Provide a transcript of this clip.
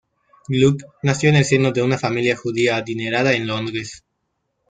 Gluck nació en el seno de una familia judía adinerada en Londres.